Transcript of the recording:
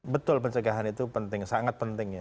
betul pencegahan itu penting sangat penting ya